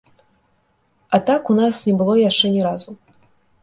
А так у нас не было яшчэ ні разу.